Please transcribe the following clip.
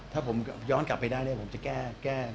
ถ้าผมย้อนกลับไปได้เนี่ยผมจะแก้ตรงนี้จุดนี้ครับ